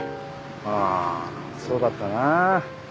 ああそうだったなあ。